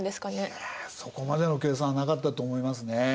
いやそこまでの計算はなかったと思いますね。